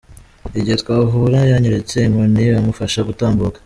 Igihe twahura yanyeretse inkoni imufasha gutambuka.